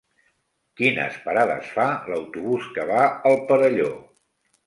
Quines parades fa l'autobús que va al Perelló?